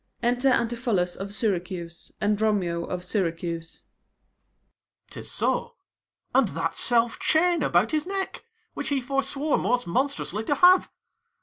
Enter ANTIPHOLUS of Syracuse and DROMIO of Syracuse. Ang. 'Tis so; and that self chain about his neck, 10 Which he forswore most monstrously to have.